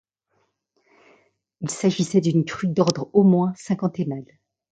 Il s'agissait d'une crue d'ordre au moins cinquantennal.